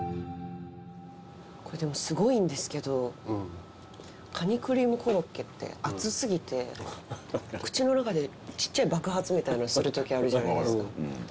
これでもすごいんですけどカニクリームコロッケって熱過ぎて口の中でちっちゃい爆発みたいのするときあるじゃないですか。